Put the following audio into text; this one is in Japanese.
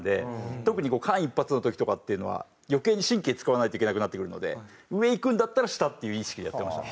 特に間一髪の時とかっていうのは余計に神経使わないといけなくなってくるので上いくんだったら下っていう意識でやってました。